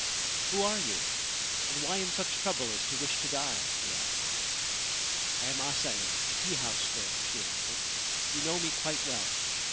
' Who are you, and why in such trouble as to wish to die ?' he asked. < I am Asayo, the teahouse girl/ she answered. ' You know me quite well.